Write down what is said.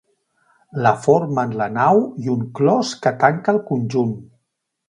La formen la nau i un clos que tanca el conjunt.